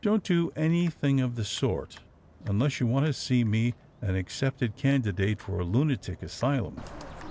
"Don't do anything of the sort, unless you want to see me an accepted can didate for a lunatic asylum.